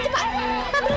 rp dua saja satunya